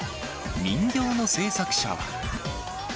人形の制作者は。